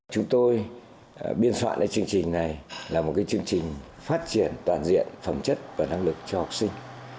chúng tôi biên soạn lại chương trình này là một chương trình phát triển toàn diện phẩm chất và năng lực cho học sinh